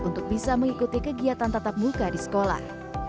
untuk bisa mengikuti kegiatan tatap muka di sekolah